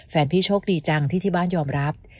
พี่โชคดีจังที่ที่บ้านยอมรับ